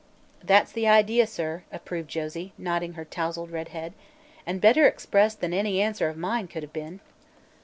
"That's the idea, sir," approved Josie, nodding her tousled red head, "and better expressed than any answer of mine could have been."